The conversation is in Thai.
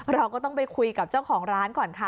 เราก็ต้องไปคุยกับเจ้าของร้านก่อนค่ะ